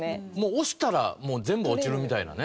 押したら全部落ちるみたいなね。